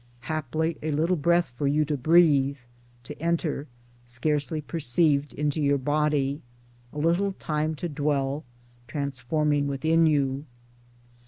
Haply a little breath for you to breathe — to enter, scarcely perceived, into your body — a little time to dwell, transforming, within you.